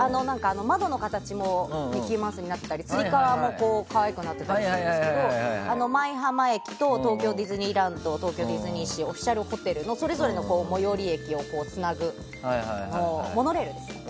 窓の形がミッキーマウスになってたりつり革も可愛くなってたりするんですけど舞浜駅と東京ディズニーランド東京ディズニーシーオフィシャルホテルの最寄り駅を結ぶモノレールです。